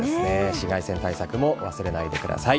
紫外線対策も忘れないでください。